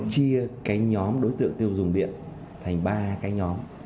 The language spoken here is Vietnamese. chia cái nhóm đối tượng tiêu dùng điện thành ba cái nhóm